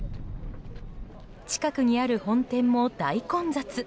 近くにある本店も大混雑。